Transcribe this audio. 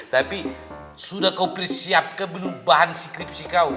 tapi sudah kau persiap kebunuh bahan skripsi kau